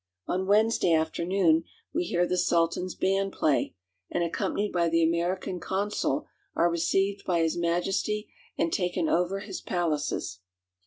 On Wednesday afternoon we hear the Sultan's band play, and, accom panied by the American Consul, are received by his Majesty and taken over his palaces.